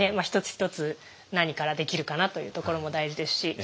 一つ一つ何からできるかなというところも大事ですし。